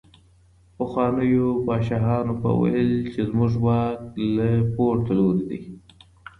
پخوانيو پادشاهانو به ويل چي زموږ واک له پورته لوري دی.